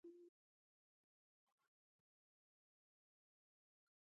پیلوټ د ذهن ځواک تمثیل کوي.